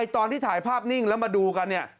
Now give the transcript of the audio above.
ตอนที่ถ่ายภาพนิ่งแล้วมาดูกันเนี่ย